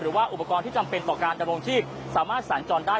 หรือว่าอุปกรณ์ที่จำเป็นต่อการดำรงชีพสามารถสัญจรได้